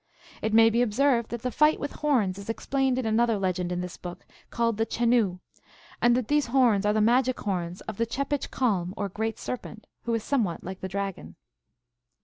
It may be observed that the fight with horns is explained in another legend in this book, called the Chenoo, and that these horns are the magic horns of the Chepitch calm, or Great Serpent, who is somewhat like the dragon.